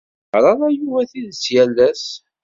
Ur d-yeqqar ara Yuba tidet yal ass.